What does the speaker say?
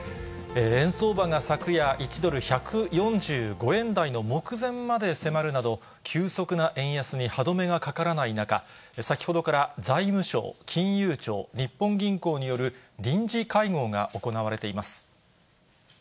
円相場が昨夜、１ドル１４５円台の目前まで迫るなど、急速な円安に歯止めがかからない中、先ほどから財務省、金融庁、日本銀行による臨時会合が行われています。